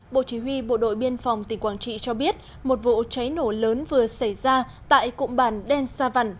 bộ chỉ huy bộ đội biên phòng tỉnh quảng trị cho biết một vụ cháy nổ lớn vừa xảy ra tại cụm bản đen sa văn